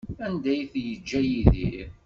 Anda ay t-yeǧǧa Yidir?